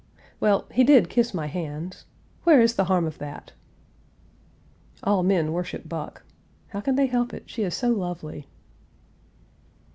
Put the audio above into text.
well, he did kiss my hands. Where is the harm of that?" All men worship Buck. How can they help it, she is so lovely.